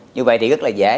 như vậy thì rất là dễ